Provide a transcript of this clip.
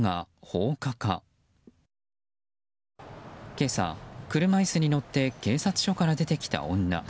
今朝、車椅子に乗って警察署から出てきた女。